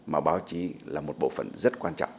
mà báo chí là một bộ phận rất quan trọng